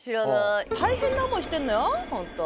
大変な思いしてんのよ本当。